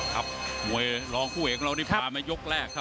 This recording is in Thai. ครับหม่อยร้องคู่ให้ผมคิดมายกเราแรกครับ